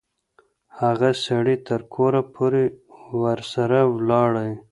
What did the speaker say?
هغه سړی تر کوره پوري ورسره ولاړی.